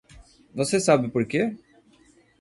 Você sabe porque?